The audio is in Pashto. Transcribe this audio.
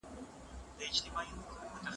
کمپيوټر فايلونه لټوي.